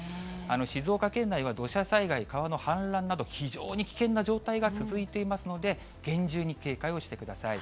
静岡県内は土砂災害、川の氾濫など、非常に危険な状態が続いていますので、厳重に警戒をしてください。